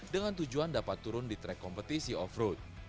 dengan tujuan dapat turun di track kompetisi off road